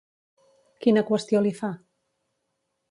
Quina qüestió li fa?